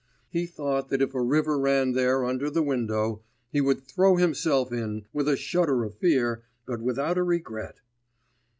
He thought that if a river ran there under the window, he would throw himself in, with a shudder of fear, but without a regret.